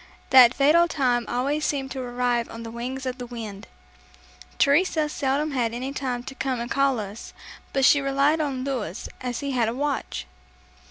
That fatal time always seemed to arrive on the wings of the wind. Teresa seldom had any time to come and call us, but she relied on Louis, as he had a watch.